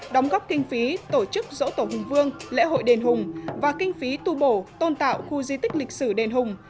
đóng góp kinh phí tổ chức dỗ tổ hùng vương lễ hội đền hùng và kinh phí tu bổ tôn tạo khu di tích lịch sử đền hùng